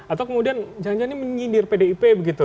atau kemudian jangan jangan ini menyindir pdip begitu